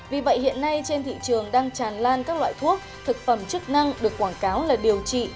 vì vậy hiện nay trên thị trường đang tràn lan các loại thuốc thực phẩm chức năng được quảng cáo là điều trị